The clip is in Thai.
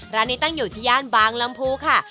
ร้านนี้ตั้งอยู่ที่ย่านบางลำพูค่ะ